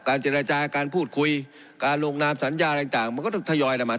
เจรจาการพูดคุยการลงนามสัญญาอะไรต่างมันก็ต้องทยอยนำมา